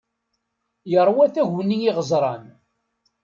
Yeṛwa taguni iɣeẓran.